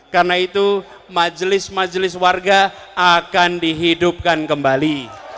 karena itu majelis majelis warga akan dihidupkan kembali